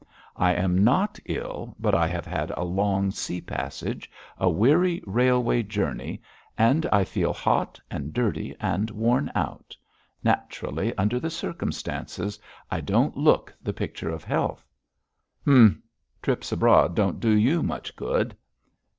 'I am not ill, but I have had a long sea passage, a weary railway journey, and I feel hot, and dirty, and worn out. Naturally, under the circumstances, I don't look the picture of health.' 'Humph! trips abroad don't do you much good.'